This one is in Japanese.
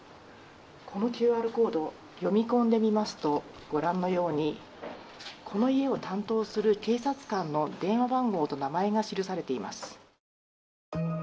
このＱＲコード読み込んでみますとご覧のようにこの家を担当する警察官の電話番号と名前が記されています。